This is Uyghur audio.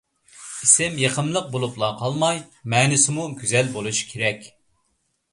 ئىسىم يېقىملىق بولۇپلا قالماي، مەنىسىمۇ گۈزەل بولۇشى كېرەك.